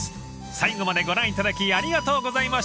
［最後までご覧いただきありがとうございました］